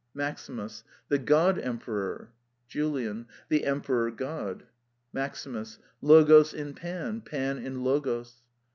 MAXIMUS. The God Emperor. JULIAN. The Emperor God. MAXIMUS. Logos in Pan, Pan in Logos.